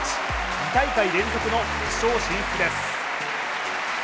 ２大会連続の決勝進出です。